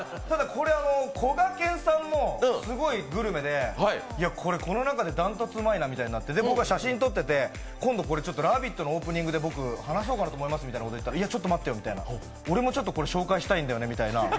こがけんさんもすごいグルメで、これ、この中で断トツうまいなってなって僕は写真撮っててこれ「ラヴィット！」のオープニングで僕、話そうかと思いますと言ったらいやちょっと待ってよみたいな、俺も紹介したいんだよみたいな。